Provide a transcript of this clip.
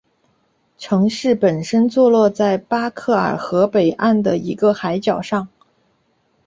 城市本身坐落在巴克尔河北岸的一个海角上。